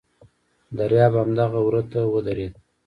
دریاب همدغه وره ته ودرېد.